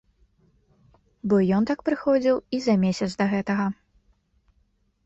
Бо ён так прыходзіў і за месяц да гэтага.